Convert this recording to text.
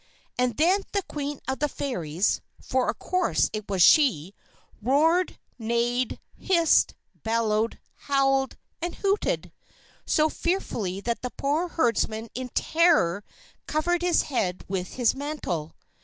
And then the Queen of the Fairies for of course it was she roared, neighed, hissed, bellowed, howled, and hooted so fearfully that the poor herdsman in terror covered his head with his mantle.